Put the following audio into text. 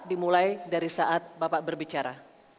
dimulai dari saat bapak berbicara